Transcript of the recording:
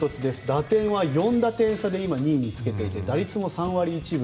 打点は４打点差で今２位につけていて打率も３割１分。